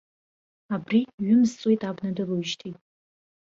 Абри, ҩымз ҵуеит абна дылоуижьҭеи.